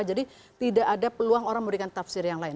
jadi tidak ada peluang orang memberikan tafsir yang lain